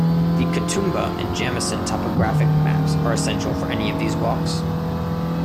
The Katoomba and Jamison topographic maps are essential for any of these walks.